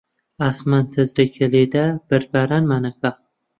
ئاسمان تەرزەی کە لێدا، بەردەبارانمان ئەکا